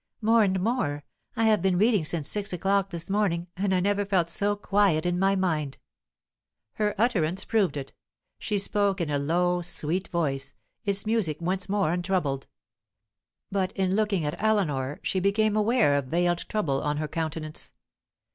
"More and more. I have been reading since six o'clock this morning, and never felt so quiet in mind." Her utterance proved it; she spoke in a low, sweet voice, its music once more untroubled. But in looking at Eleanor, she became aware of veiled trouble on her countenance.